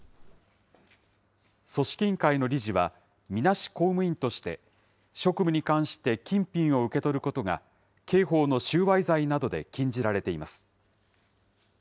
組織委員会の理事は、みなし公務員として、職務に関して金品を受け取ることが、刑法の収賄罪などで禁じられています。